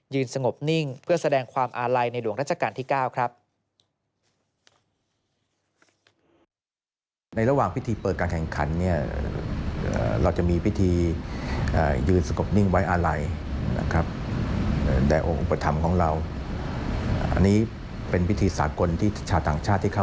สงบนิ่งเพื่อแสดงความอาลัยในหลวงราชการที่๙ครับ